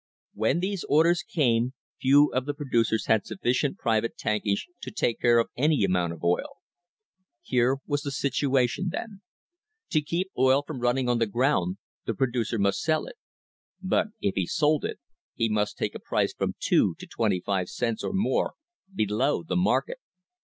When these orders came, few of the producers had sufficient private tankage to take care of any amount of oil. Here was the situation then: to keep oil from running on the ground the producer must sell it; but if he sold it he must THE HISTORY OF THE STANDARD OIL COMPANY take a price from two to twenty five cents or more below the market.